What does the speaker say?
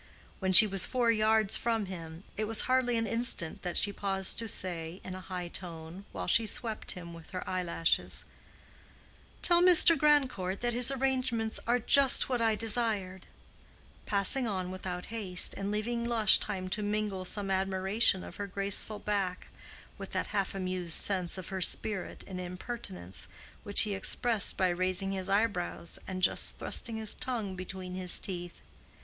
When she was four yards from him, it was hardly an instant that she paused to say in a high tone, while she swept him with her eyelashes, "Tell Mr. Grandcourt that his arrangements are just what I desired"—passing on without haste, and leaving Lush time to mingle some admiration of her graceful back with that half amused sense of her spirit and impertinence, which he expressed by raising his eyebrows and just thrusting his tongue between his teeth.